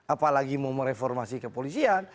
apalagi mau mereformasi kepolisian